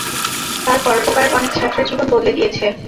তার পরোপকার অনেক ছাত্রের জীবন বদলে দিয়েছে।